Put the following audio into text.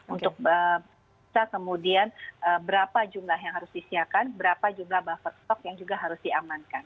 untuk bisa kemudian berapa jumlah yang harus disiapkan berapa jumlah buffer stok yang juga harus diamankan